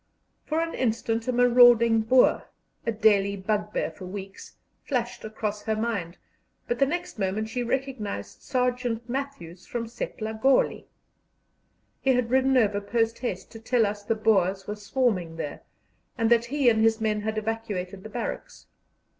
For an instant a marauding Boer a daily bugbear for weeks flashed across her mind, but the next moment she recognized Sergeant Matthews from Setlagoli. He had ridden over post haste to tell us the Boers were swarming there, and that he and his men had evacuated the barracks.